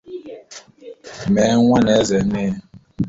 mee nwa na-ézé nne ya